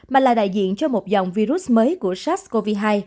mà là đại diện cho một dòng virus mới của sars cov hai